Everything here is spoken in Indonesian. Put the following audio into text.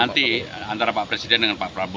nanti antara pak presiden dengan pak prabowo